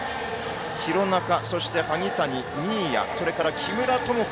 廣中、そして萩谷新谷そして木村友香